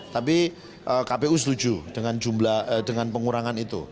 tapi kpu setuju dengan pengurangan itu